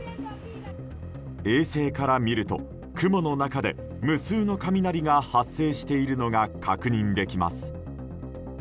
衛星から見ると雲の中で無数の雷が発生しているのが確認できます。